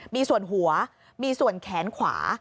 มีส่วนหัวมีส่วนแขนขวา